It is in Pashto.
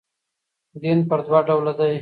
دین پر دوه ډوله دئ.